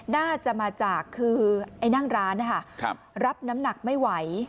น่าจะมาจากคือไอ้นั่งร้านรับน้ำหนักไม่ไหว